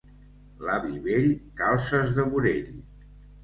L'avi vell, calces de burell.